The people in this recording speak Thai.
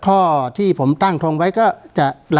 การแสดงความคิดเห็น